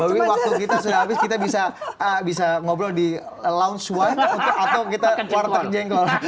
waktu kita sudah habis kita bisa ngobrol di lounge one atau kita keluar tek jengkol